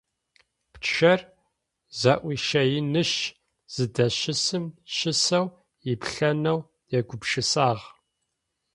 Пчъэр зэӏуищэинышъ зыдэщысым щысэу иплъэнэу егупшысагъ.